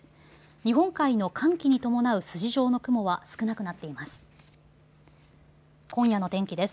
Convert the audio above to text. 日本海の寒気に伴う筋状の雲は少なくなっています。